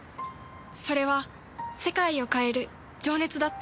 それは世界を変える情熱だった。